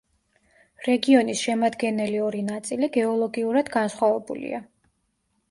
რეგიონის შემადგენელი ორი ნაწილი გეოლოგიურად განსხვავებულია.